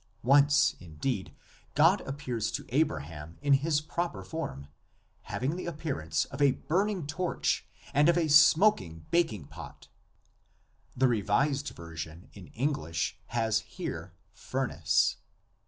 Once, indeed, God appears to Abraham in his proper form, having the appearance of a burning torch and of a smoking bak ing pot (the Revised Version in English has here "furnace").